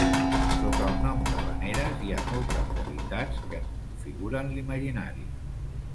Sota el nom d'havaneres hi ha moltes realitats que en configuren l'imaginari.